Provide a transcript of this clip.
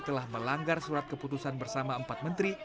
telah melanggar surat keputusan bersama empat menteri